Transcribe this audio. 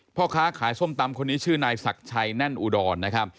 พ่อค้าขายส้มตำคนนี้ชื่อนายศักดิ์ชัยแน่นอุดรนะครับ